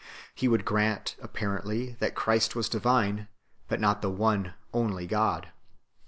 He would grant, apparently, that Christ was divine, but not the one only God.